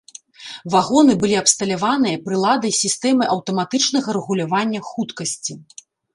Вагоны былі абсталяваныя прыладай сістэмы аўтаматычнага рэгулявання хуткасці.